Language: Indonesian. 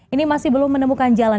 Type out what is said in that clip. ini masih belum menemukan jalan